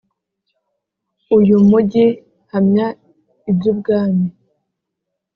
uyu mugi Hamya iby Ubwami